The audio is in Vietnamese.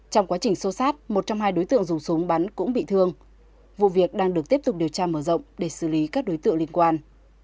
trong quá trình sâu sát một trong hai đối tượng dùng súng bắn cũng bị thương vụ việc đang được tiếp tục điều tra mở rộng để xử lý các đối tượng liên quan